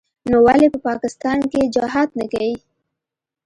نو ولې په پاکستان کښې جهاد نه کيي.